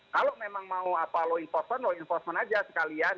kalau memang mau apa low enforcement low enforcement aja sekalian